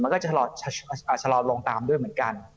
มันก็จะชะลอลงตามด้วยเหมือนกัน